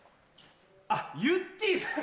あっゆってぃさん。